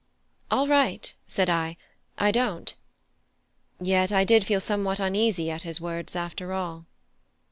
"All right," said I; "I don't." Yet I did feel somewhat uneasy at his words, after all.